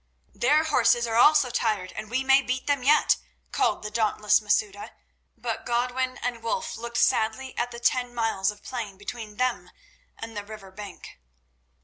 "Their horses are also tired, and we may beat them yet," called the dauntless Masouda. But Godwin and Wulf looked sadly at the ten miles of plain between them and the river bank.